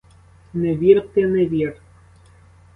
Не вір ти, не вір!